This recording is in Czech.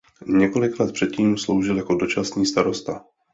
Několik let předtím sloužil jako dočasný starosta.